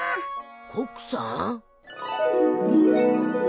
コックさん。